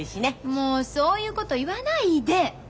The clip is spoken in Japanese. もうそういうこと言わないで！